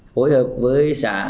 phối hợp với xã